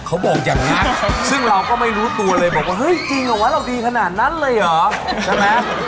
เขาบอกอย่างนั้นซึ่งเราก็ไม่รู้ตัวเลยบอกว่าเฮ้ยจริงเหรอวะเราดีขนาดนั้นเลยเหรอใช่ไหม